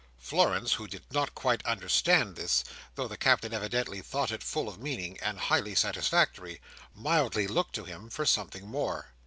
Florence, who did not quite understand this, though the Captain evidently thought it full of meaning, and highly satisfactory, mildly looked to him for something more.